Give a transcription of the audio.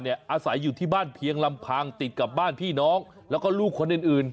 อาศัยอยู่ที่บ้านเพียงลำพังติดกับบ้านพี่น้องแล้วก็ลูกคนอื่น